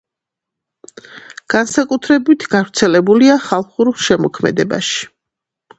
განსაკუთრებით გავრცელებულია ხალხურ შემოქმედებაში.